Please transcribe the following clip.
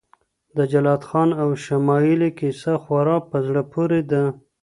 د جلات خان او شمایلې کیسه خورا په زړه پورې ده.